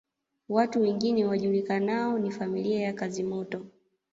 Watu wengine wajulikanao ni familia ya Kazimoto